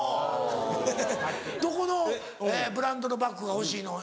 どこのブランドのバッグが欲しいの？